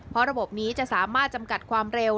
เพราะระบบนี้จะสามารถจำกัดความเร็ว